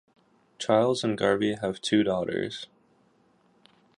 Chiles and Garvey have two daughters.